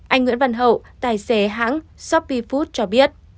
anh nguyễn văn hậu tài xế hãng shopee food cho biết